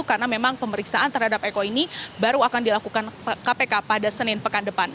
karena memang pemeriksaan terhadap eko ini baru akan dilakukan kpk pada senin pekan depan